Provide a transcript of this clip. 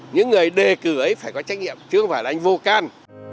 những người đề cử ấy phải có trách nhiệm chứ không phải là anh vô can